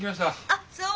あっそう。